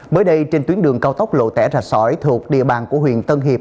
mới đây trên tuyến đường cao tốc lộ tẻ rạch sỏi thuộc địa bàn của huyện tân hiệp